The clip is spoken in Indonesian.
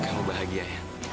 kamu bahagia ya